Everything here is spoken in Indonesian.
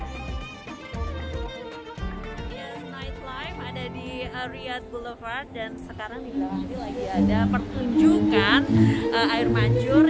nightlife ada di riyadh boulevard dan sekarang lagi ada pertunjukan air manjur